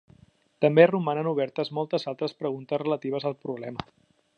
També romanen obertes moltes altres preguntes relatives al problema.